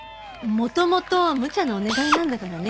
元々むちゃなお願いなんだからね